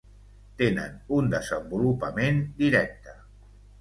Tenen un desenvolupament directe.